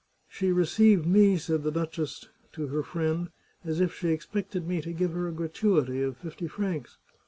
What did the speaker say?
" She received me," said the duchess to her friend, " as if she expected me to give her a gratuity of fifty francs!"